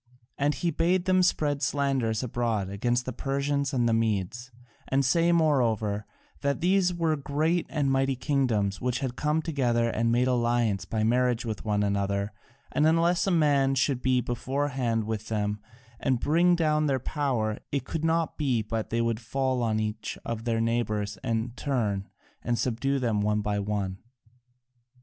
And he bade them spread slanders abroad against the Persians and the Medes, and say moreover that these were great and mighty kingdoms which had come together and made alliance by marriage with one another, and unless a man should be beforehand with them and bring down their power it could not be but that they would fall on each of their neighbours in turn and subdue them one by one.